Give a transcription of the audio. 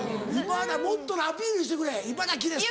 もっとアピールしてくれ「『いばらき』です」って。